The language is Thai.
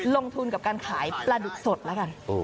ลงทุนกับการขายปลาดุกสดแล้วกัน